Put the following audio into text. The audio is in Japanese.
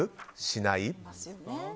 しない？